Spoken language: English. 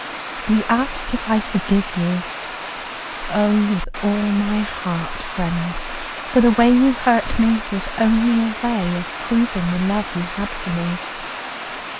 You ask if I forgive you; oh, with all my heart, friend, for the way you hurt me was only a way of proving the love you had for me.